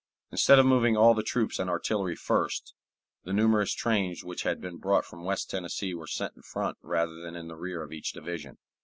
Instead of moving all the troops and artillery first, the numerous trains which had been brought from West Tennessee were sent in front rather than in rear of each division.